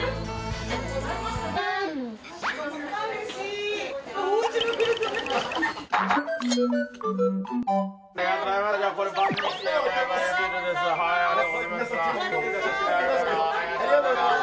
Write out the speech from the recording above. ありがとうございます。